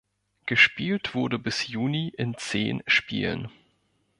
Gespielt wurde bis Juni in zehn Spielen.